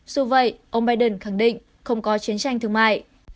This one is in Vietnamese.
dù vậy ông biden khẳng định không có chiến tranh thương mại